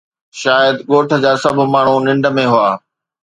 شايد ڳوٺ جا سڀ ماڻهو ننڊ ۾ هئا